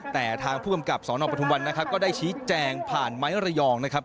แต่ทางผู้กำกับสรพวัลได้ชี้แจงผ่านไหม่ระยอง